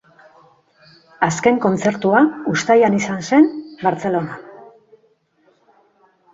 Azken kontzertua, Uztailean izan zen, Bartzelonan.